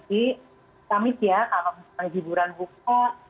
karena nanti kami siapkan hiburan buka